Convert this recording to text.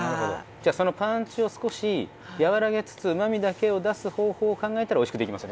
じゃあそのパンチを少し和らげつつうまみだけを出す方法を考えたらおいしくできますよね？